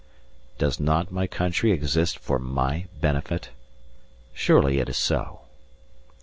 Does not my country exist for my benefit? Surely it is so.